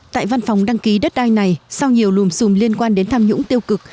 tại văn phòng đăng ký đất đai này sau nhiều lùm xùm liên quan đến tham nhũng tiêu cực